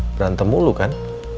berantem mulu kan